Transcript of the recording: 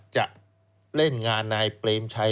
จะเล่นงานนายเปรมชัย